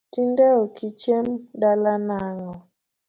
Tinde ok ichiem dala nang'o